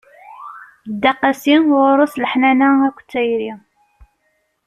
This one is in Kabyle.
Dda qasi, ɣur-s leḥnana akked tayri.